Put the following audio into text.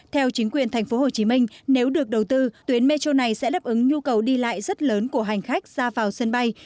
theo chính quyền tp hcm nếu được đầu tư tuyến metro này sẽ đáp ứng nhu cầu đi lại rất lớn của hành khách ra vào sân bay